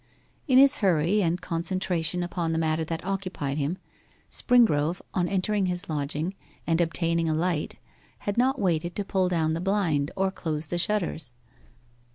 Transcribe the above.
In his hurry and concentration upon the matter that occupied him, Springrove, on entering his lodging and obtaining a light, had not waited to pull down the blind or close the shutters.